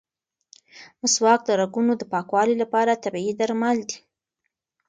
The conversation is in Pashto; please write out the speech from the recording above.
مسواک د رګونو د پاکوالي لپاره طبیعي درمل دي.